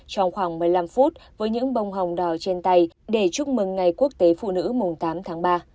trong khoảng một mươi năm phút với những bông hồng đỏ trên tay để chúc mừng ngày quốc tế phụ nữ mùng tám tháng ba